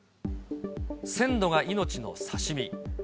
鮮度が命の刺身。